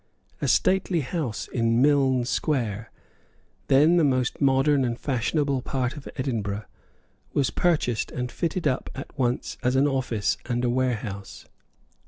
A stately house, in Milne Square, then the most modern and fashionable part of Edinburgh, was purchased and fitted up at once as an office and a warehouse.